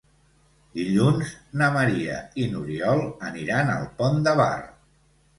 Dilluns na Maria i n'Oriol aniran al Pont de Bar.